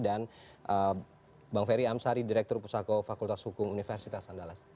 dan bang feri amsari direktur pusako fakultas hukum universitas andalas